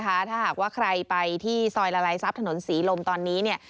ถ้าหากว่าใครไปที่ซอยละลายซับถนนสีลมตอนนี้